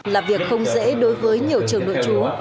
là việc không dễ đối với nhiều trường nội trú